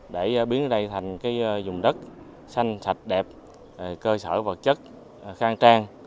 để biến đây thành dùng đất xanh sạch đẹp cơ sở vật chất khang trang